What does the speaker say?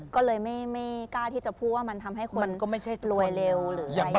ก็เลยไม่กล้าที่จะพูดว่ามันทำให้คนรวยเร็วหรืออะไรอย่างนี้